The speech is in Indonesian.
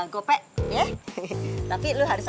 gope ya tapi lu harus